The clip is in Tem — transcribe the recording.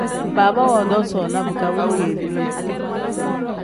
Baaba woodoo soona bika wengeeri lim.